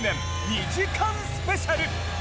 ２時間スペシャル！